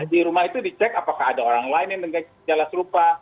di rumah itu dicek apakah ada orang lain yang dengan jalan serupa